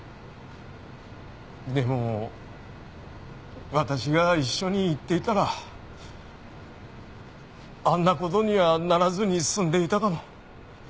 でも私が一緒に行っていたらあんなことにはならずに済んでいたかも。